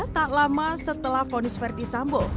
tak lama setelah fonis verdi sambo